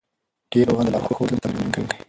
ډېر ناروغان د لارښود له مخې تمرین کوي.